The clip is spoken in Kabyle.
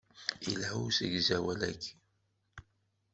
Yelha usegzawal-agi.